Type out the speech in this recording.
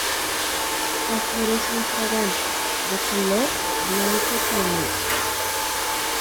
Las flores son fragantes, de color blanco cremoso.